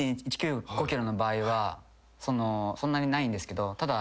ｋｍの場合はそんなにないんですけどただ。